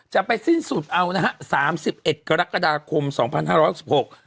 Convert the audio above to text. จะไปสิ้นสุดเอานะฮะสามสิบเอ็ดกรกฎาคมสองพันห้าร้อยหกสิบหก